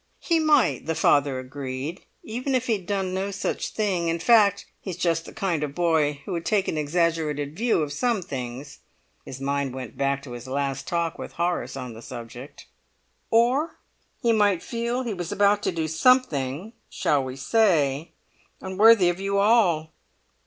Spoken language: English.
"He might," the father agreed, "even if he'd done no such thing; in fact, he's just the kind of boy who would take an exaggerated view of some things." His mind went back to his last talk with Horace on the subject. "Or he might feel he was about to do something, shall we say, unworthy of you all?"